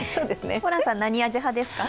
ホランさん、何味派ですか？